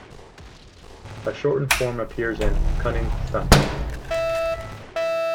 A shortened form appears in "Cunning Stunts".